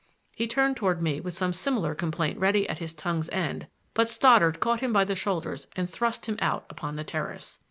He turned toward me with some similar complaint ready at his tongue's end; but Stoddard caught him by the shoulders and thrust him out upon the terrace.